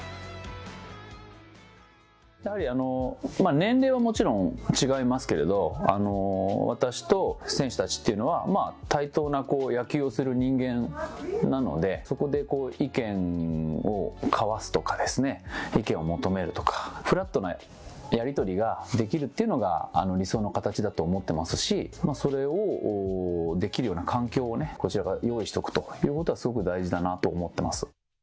やはり年齢ももちろん違いますけれど、私と選手たちっていうのは対等な野球をする人間なので、そこで意見を交わすとかですね、意見を求めるとか、フラットなやり取りができるというのが理想の形だと思ってますし、それをできるような環境をね、こちらから用意しておくということはすごく大事だなと思ってます。